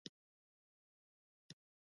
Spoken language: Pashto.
آیا د کاریز کیندل یو مهارت نه دی؟